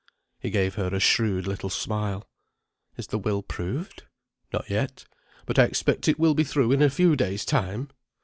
He gave her a shrewd little smile. "Is the will proved?" "Not yet. But I expect it will be through in a few days' time."